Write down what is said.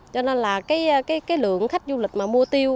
cho nên là cái lượng khách du lịch mà mua tiêu